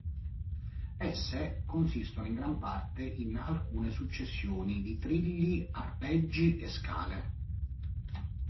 Esse consistono in gran parte in alcune successioni di trilli, arpeggi e scale.